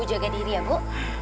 jaga diri ya bu